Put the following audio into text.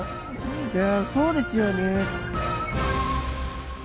いやそうですよね。